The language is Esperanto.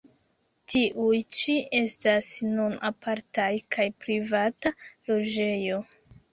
Tiuj ĉi estas nun apartaj kaj privata loĝejo.